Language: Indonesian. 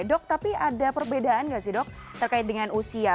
dok tapi ada perbedaan nggak sih dok terkait dengan usia